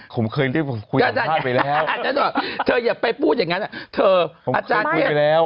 ผมเคยคุยสัมภาษณ์ไปแล้วเธออย่าไปพูดอย่างงั้นผมเคยคุยไปแล้ว